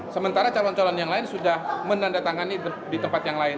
sementara calon calon yang lain sudah menandatangani di tempat yang lain